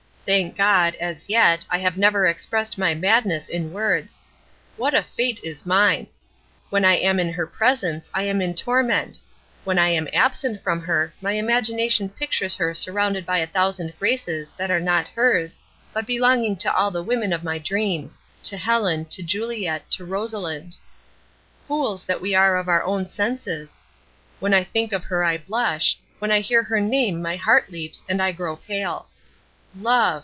Thank God, as yet, I have never expressed my madness in words. What a fate is mine! When I am in her presence I am in torment; when I am absent from her my imagination pictures her surrounded by a thousand graces that are not hers, but belong to all the women of my dreams to Helen, to Juliet, to Rosalind. Fools that we are of our own senses! When I think of her I blush; when I hear her name my heart leaps, and I grow pale. Love!